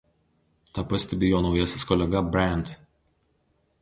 Tą pastebi jo naujasis kolega Brandt.